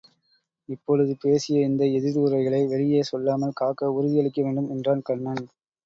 இப்பொழுது பேசிய இந்த எதிர் உரைகளை வெளியே சொல்லாமல் காக்க உறுதி அளிக்க வேண்டும் என்றான் கண்ணன்.